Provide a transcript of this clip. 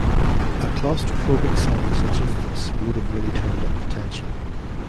A claustrophobic setting such as this would’ve really turned up the tension.